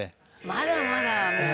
まだまだもう。